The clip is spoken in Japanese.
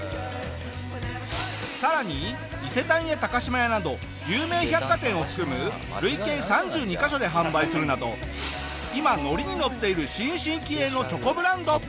さらに伊勢丹や高島屋など有名百貨店を含む累計３２カ所で販売するなど今ノリにノッている新進気鋭のチョコブランド。